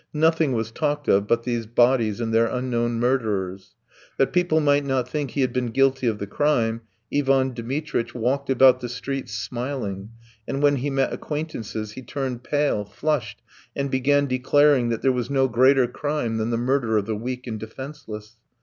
Nothing was talked of but these bodies and their unknown murderers. That people might not think he had been guilty of the crime, Ivan Dmitritch walked about the streets, smiling, and when he met acquaintances he turned pale, flushed, and began declaring that there was no greater crime than the murder of the weak and defenceless.